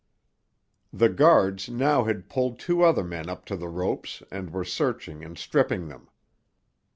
The guards now had pulled two other men up to the ropes and were searching and stripping them.